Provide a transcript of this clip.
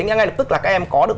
ngay lập tức là các em có được